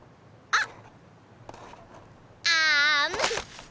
あっ！